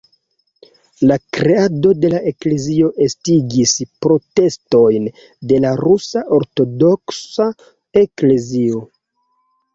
La kreado de la eklezio estigis protestojn de la Rusa Ortodoksa Eklezio.